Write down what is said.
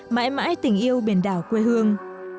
mãi mãi tình yêu biển đảo quê hương